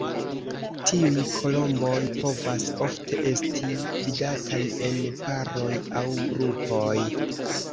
Tiuj kolomboj povas ofte esti vidataj en paroj aŭ grupoj.